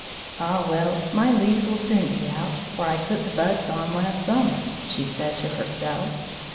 "Ah, well, my leaves will soon be out, for I put the buds on last summer," she said to herself.